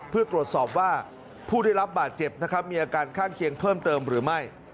เพื่อตรวจสอบว่าผู้ได้รับบาดเจ็บนะครับมีอาการข้างเคียงเพิ่มเติมหรือไม่